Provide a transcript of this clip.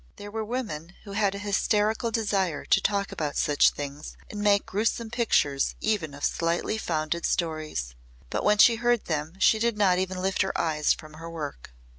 There were women who had a hysterical desire to talk about such things and make gruesome pictures even of slightly founded stories. But when she heard them she did not even lift her eyes from her work.